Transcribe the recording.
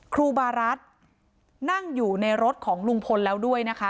ครูบารัฐนั่งอยู่ในรถของลุงพลแล้วด้วยนะคะ